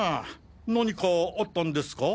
何かあったんですか？